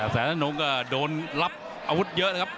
แสนทนงก็โดนรับอาวุธเยอะนะครับ